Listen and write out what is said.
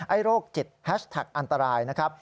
โรคจิตแฮชแท็กอันตรายนะครับ